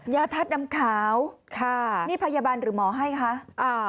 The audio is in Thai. ยาทาดน้ำขาวนี่พยาบาลหรือหมอให้คะ